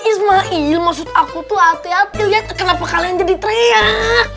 ismail maksud aku tuh hati hati lihat kenapa kalian jadi teriak